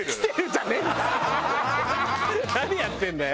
何やってんだよ。